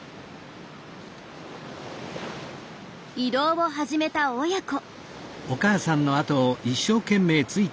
移動を始めた親子。